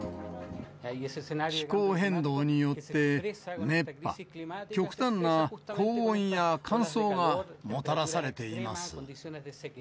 気候変動によって、熱波、極端な高温や乾燥がもたらされています。